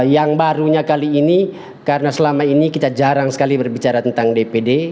yang barunya kali ini karena selama ini kita jarang sekali berbicara tentang dpd